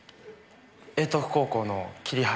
英徳高校の桐原です。